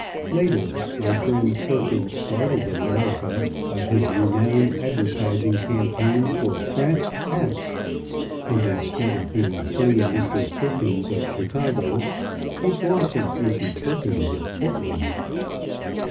Later, my friend Perkins startled America by his renowned advertising campaign for Pratt's hats; and, instead of being plain Mr. Perkins of Chicago, he blossomed into Perkins of Portland.